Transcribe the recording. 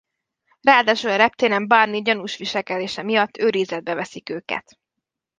Ráadásul a reptéren Barney gyanús viselkedése miatt őrizetbe veszik őket.